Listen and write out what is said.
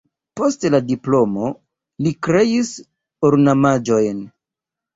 Post la diplomo li kreis ornamaĵojn.